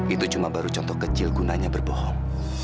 itu cuma baru contoh kecil gunanya berbohong